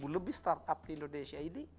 dua ribu lebih startup di indonesia ini